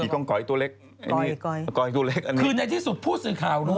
ก็ไม่ได้พูดถึง